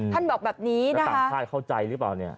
บอกแบบนี้นะคะต่างชาติเข้าใจหรือเปล่าเนี่ย